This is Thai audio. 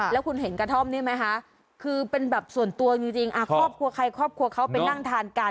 แล้วคุณเห็นกระท่อมนี่ไหมคะคือเป็นแบบส่วนตัวจริงครอบครัวใครครอบครัวเขาไปนั่งทานกัน